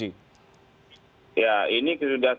ya ini sudah kita lakukan pertimbangan